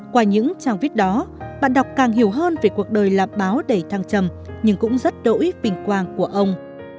qua những trang viết đó bạn đọc càng hiểu hơn về cuộc đời làm báo đầy thăng trầm nhưng cũng rất đỗi vinh quang của ông